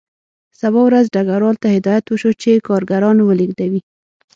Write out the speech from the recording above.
سبا ورځ ډګروال ته هدایت وشو چې کارګران ولېږدوي